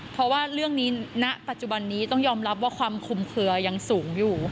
เพราะว่าเรื่องนี้ณปัจจุบันนี้ต้องยอมรับว่าความคุมเคลือยังสูงอยู่